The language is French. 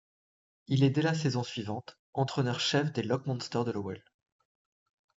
Il est dès la saison suivante, entraîneur-chef des Lock Monsters de Lowell.